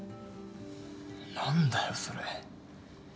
何だよそれ。